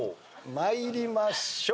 参りましょう。